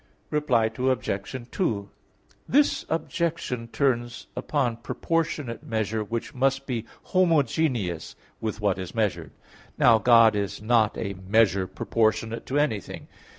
Reply Obj. 2: This objection turns upon proportionate measure which must be homogeneous with what is measured. Now, God is not a measure proportionate to anything.